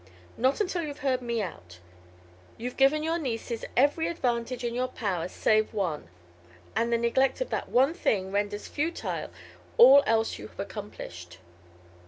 "Not until you've heard me out. You've given your nieces every advantage in your power save one, and the neglect of that one thing renders futile all else you have accomplished."